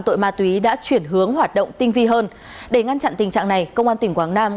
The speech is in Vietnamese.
tội ma túy đã chuyển hướng hoạt động tinh vi hơn để ngăn chặn tình trạng này công an tỉnh quảng nam